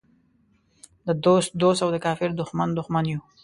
د دوست دوست او د کافر دښمن دښمن یو.